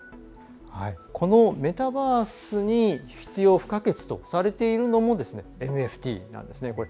このメタバースに必要不可欠とされているのもＮＦＴなんですね。